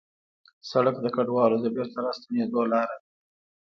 سړک د کډوالو د بېرته راستنېدو لاره ده.